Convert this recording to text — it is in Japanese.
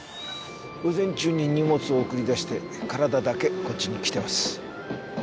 午前中に荷物を送り出して体だけこっちに来てます。